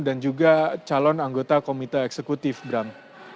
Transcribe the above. juga calon anggota komite eksekutif bram